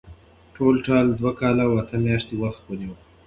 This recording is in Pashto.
ټولټال دوه کاله او اته میاشتې وخت ونیو.